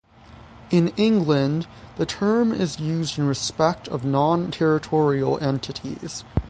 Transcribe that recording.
In England, the term is used in respect of non-territorial entities.